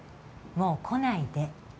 もう来ないで。